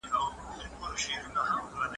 له امیانو لاري ورکي له مُلا تللی کتاب دی